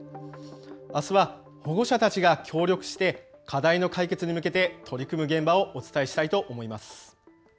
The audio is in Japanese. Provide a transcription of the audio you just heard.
あすは保護者たちが協力して課題の解決に向けて取り組む現場をお伝えしたいと思います。